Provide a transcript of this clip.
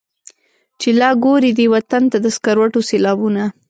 چي لا ګوري دې وطن ته د سکروټو سېلابونه.